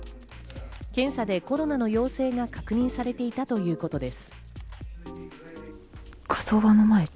検査でコロナの陽性が確認されていたということです。